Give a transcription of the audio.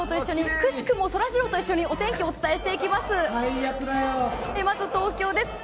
くしくもそらジローと一緒にお天気をお伝えしていきます。